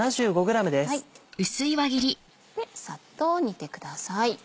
サッと煮てください。